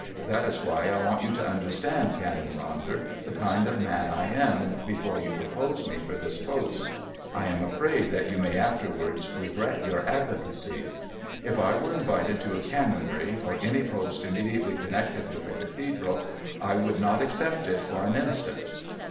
That is why I want you to understand, Canon Ronder, the kind of man I am, before you propose me for this post. I am afraid that you may afterwards regret your advocacy. If I were invited to a Canonry, or any post immediately connected with the Cathedral, I would not accept it for an instant.